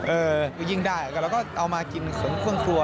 เออยิ่งได้แล้วก็เอามากินเหมือนเครื่องครัว